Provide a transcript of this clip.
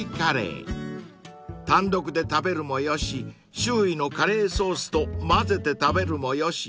［単独で食べるもよし周囲のカレーソースと混ぜて食べるもよし］